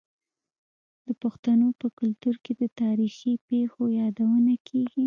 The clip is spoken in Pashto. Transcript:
د پښتنو په کلتور کې د تاریخي پیښو یادونه کیږي.